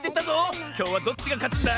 きょうはどっちがかつんだ？